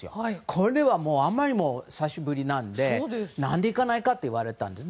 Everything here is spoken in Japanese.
これはあまりにも久しぶりなので何で行かないかと言われたんです。